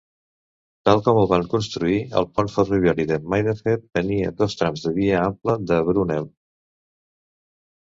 Tal com el van construir, el pont ferroviari de Maidenhead tenia dos trams de via ampla de Brunel.